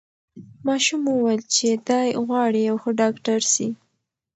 ماشوم وویل چې دی غواړي یو ښه ډاکټر سي.